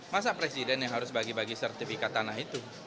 masa presiden yang harus bagi bagi sertifikat tanah itu